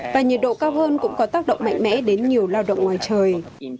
và nhiệt độ cao hơn cũng có tác động mạnh mẽ đến nhiều lao động ngoài trời